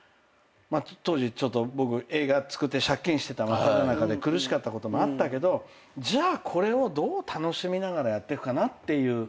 当時僕映画作って借金してた真っただ中で苦しかったこともあったけどじゃあこれをどう楽しみながらやってくかなっていう。